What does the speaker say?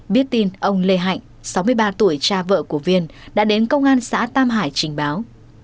biết tin ông lê hạnh sáu mươi ba tuổi cha vợ của viên đã đến công an xã tam hải trình báo